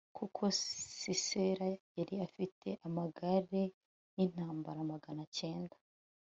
kuko sisera yari afite amagare y'intambara magana cyenda